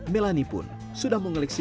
melanie pun sudah mengoleksi